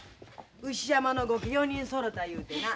牛山の後家４人そろたいうてな。